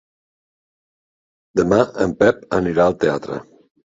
Demà en Pep anirà al teatre.